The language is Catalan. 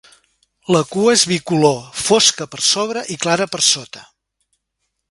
La cua és bicolor, fosca per sobre i clara per sota.